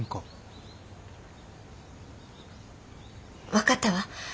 分かったわ。